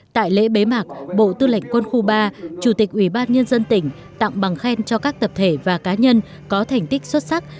tại lễ bế mạc bộ tư lệnh quân khu ba chủ tịch ủy ban nhân dân tỉnh tặng bằng khen cho các tập thể và cá nhân có thành tích xuất sắc